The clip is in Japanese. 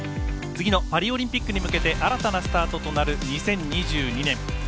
次のパリオリンピックに向けて新たなスタートとなる２０２２年。